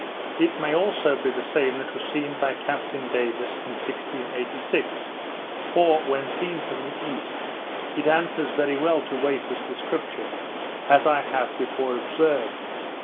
It may also be the same that was seen by Captain Davis in 1686; for, when seen from the east, it answers very well to Wafer's description, as I have before observed.